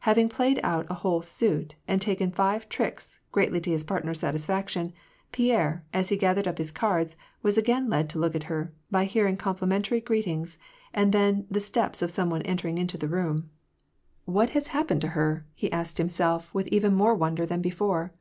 Having played out a whole suit, and taken five tricks, greatly to his partner's satisfaction, Pierre, as he gathered up his cards, was again led to look at her, by hearing complimentary greetings, and then the steps of some one entering the room. WAR AND PEACE. 221 ^' What has happened to her ?" he asked himself, with eyen more wonder than before.